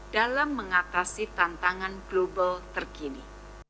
dalam mengatasi tantangan global terkini